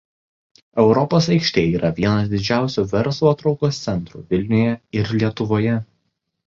Europos aikštė yra vienas didžiausių verslo traukos centrų Vilniuje ir Lietuvoje.